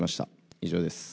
以上です。